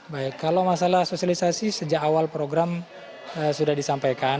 baik kalau masalah sosialisasi sejak awal program sudah disampaikan